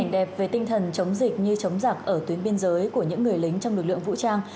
đẹp về tinh thần chống dịch như chống giặc ở tuyến biên giới của những người lính trong lực lượng vũ trang